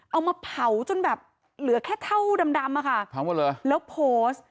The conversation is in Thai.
เอามาเผาจนแบบเหลือแค่เท่าดำแล้วโพสต์